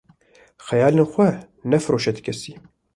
Xeyalên xwe nefiroşe ti kesî.